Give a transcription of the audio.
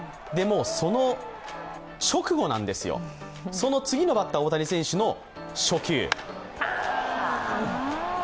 その直後なんですよ、その次のバッター、大谷選手の初球。